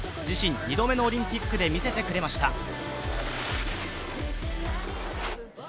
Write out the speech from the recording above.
自身２度目のオリンピックで見せてくれました。